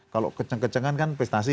kalau keceng kecengan kan prestasi